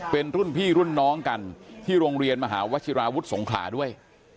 เป็นรุ่นพี่รุ่นน้องกันที่โรงเรียนมหาวชิราวุฒิสงขลาด้วย